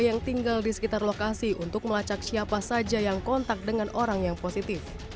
yang tinggal di sekitar lokasi untuk melacak siapa saja yang kontak dengan orang yang positif